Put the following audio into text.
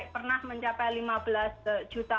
pernah mencapai lima belas juta